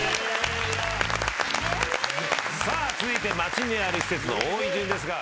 さあ続いて街にある施設の多い順ですが。